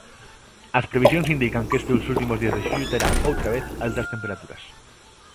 As previsións indican que este últimos días de xullo terán, outra vez, altas temperaturas.